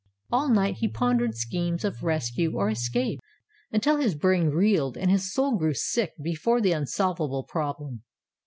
All night he pondered schemes of rescue or escape, until his brain reeled and his soul grew sick before the unsolvable problem.